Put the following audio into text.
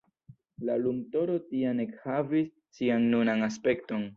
La lumturo tiam ekhavis sian nunan aspekton.